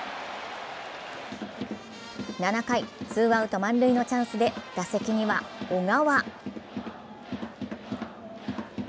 ７回、ツーアウト満塁のチャンスで打席には小川。